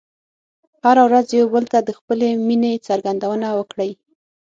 هره ورځ یو بل ته د خپلې مینې څرګندونه وکړئ.